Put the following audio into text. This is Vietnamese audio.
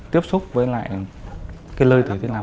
tiếp xúc với lại lơi tử thi làm